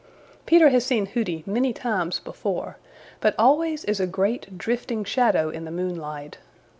Peter has seen Hooty many times before, but always as a great, drifting shadow in the moonlight.